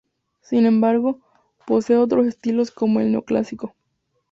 Sin embargo, posee otros estilos como el neoclásico.